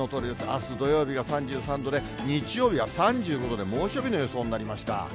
あす土曜日は３３度で、日曜日は３５度で猛暑日の予想になりました。